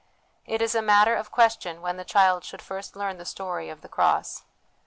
It is a matter of question when the child should first learn the ' Story of the Cross.'